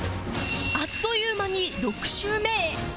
あっという間に６周目へ